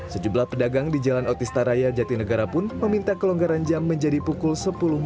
sejumlah pedagang di jalan otista raya jatinegara pun meminta kelonggaran jam menjadi pukul sepuluh malam